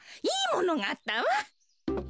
いいものがあったわ。